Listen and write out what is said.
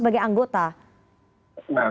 atau pak dr terawan